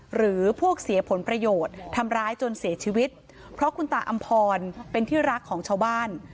หรือพวกเสียผลประโยชน์ทำร้ายจนเสียชีวิตเพราะคุณตาอำพรเป็นที่รักของชาวบ้าน